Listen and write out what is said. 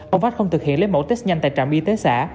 ông bách không thực hiện lấy mẫu test nhanh tại trạm y tế xã